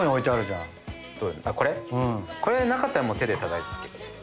これなかったらもう手で叩いて。